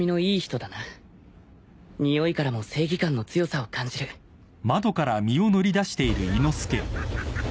においからも正義感の強さを感じるイヤッハハハ！